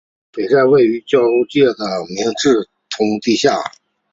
本站位于与交界的明治通地下。